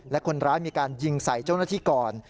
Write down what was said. และคนร้ายมีการยิงใส่เจ้าหน้าที่ก่อน